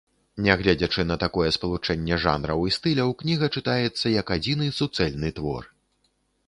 Нягледзячы на такое спалучэнне жанраў і стыляў, кніга чытаецца як адзіны, суцэльны твор.